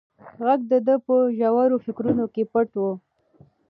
غږ د ده په ژورو فکرونو کې پټ و.